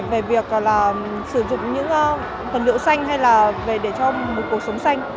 về việc sử dụng những phần liệu xanh hay là để cho một cuộc sống xanh